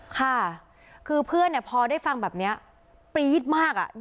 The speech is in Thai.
ค่ะคือเพื่อนเนี่ยพอได้ฟังแบบเนี้ยปี๊ดมากอ่ะ